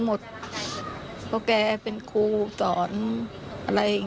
มีพระ๘๑แรงศาสนเราได้กดไว้